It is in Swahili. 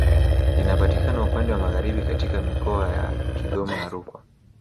Linapatikana upande Magharibi katika mikoa ya Kigoma na Rukwa